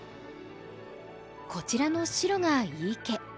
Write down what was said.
こちらの白が井伊家。